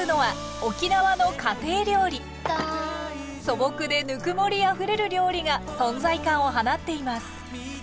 素朴でぬくもりあふれる料理が存在感を放っています。